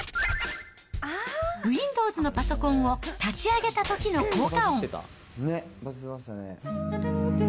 ウィンドウズのパソコンを立ち上げたときの効果音。